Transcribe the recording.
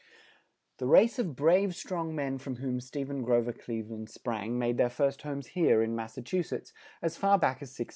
The race of brave, strong men from whom Ste phen Gro ver Cleve land sprang made their first homes here, in Mas sa chu setts, as far back as 1635.